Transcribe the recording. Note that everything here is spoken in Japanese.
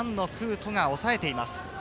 人が抑えています。